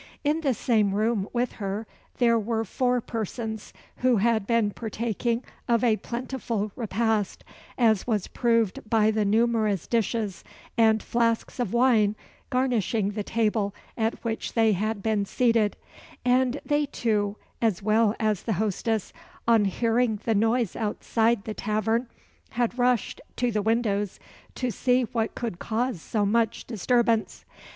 In the same room with her there were four persons, who had been partaking of a plentiful repast, as was proved by the numerous dishes and flasks of wine garnishing the table at which they had been seated, and they, too, as well as the hostess, on hearing the noise outside the tavern, had rushed to the windows to see what could cause so much disturbance.